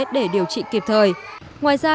để điều trị kịp thời ngoài ra